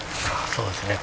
そうですね。